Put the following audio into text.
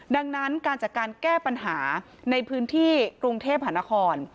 ดังนั้นการจัดการแก้ปัญหาในพื้นที่กรุงเทพหานคร